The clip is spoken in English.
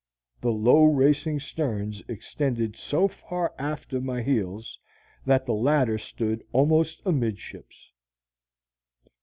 The low racing sterns extended so far aft of my heels that the latter stood almost amidships.